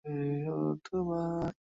সবগুলো পাবলিক ডোমেইনের অন্তর্ভুক্ত।